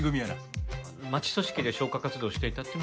町組織で消火活動をしていたっていうのはなんとなく。